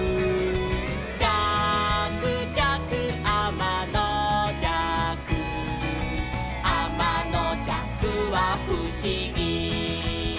「じゃくじゃくあまのじゃく」「あまのじゃくはふしぎ」